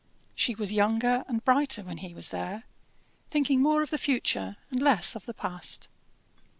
She was younger and brighter when he was there, thinking more of the future and less of the past.